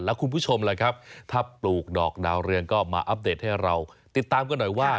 แล้วคุณผู้ชมล่ะครับถ้าปลูกดอกดาวเรืองก็มาอัปเดตให้เราติดตามกันหน่อยว่า